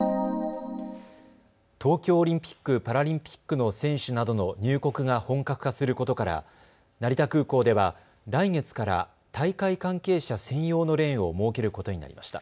東京オリンピック・パラリンピックの選手などの入国が本格化することから成田空港では来月から大会関係者専用のレーンを設けることになりました。